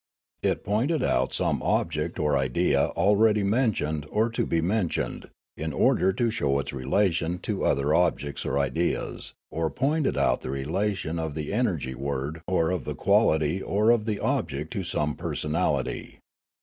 It pointed out some object or idea already mentioned or to be mentioned, in order to show its relation to other objects or ideas, or pointed out the relation of the energy word or of the quality or of the object to some personality.